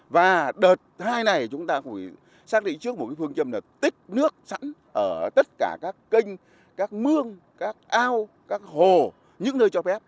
và đợt hai này chúng ta phải xác định trước một phương châm là tích nước sẵn ở tất cả các kênh các mương các ao các hồ những nơi cho phép